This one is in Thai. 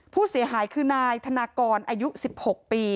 ผู้เสียหายคือนายธนากรอายุ๑๖ปี